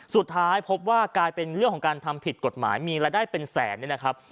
สุดท้ายพบว่ากลายเป็นเรื่องของการทำผิดกฎหมายมีรายได้เป็นแสนเนี่ยนะครับ